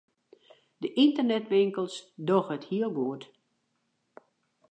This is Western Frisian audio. De ynternetwinkels dogge it heel goed.